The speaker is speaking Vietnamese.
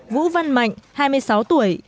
vũ văn mạnh hai mươi sáu tuổi